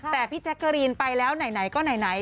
แต่พี่แจ๊กเกอรีนไปแล้วไหนก็ไหน